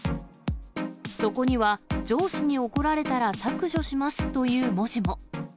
そこには上司に怒られたら削除しますという文字も。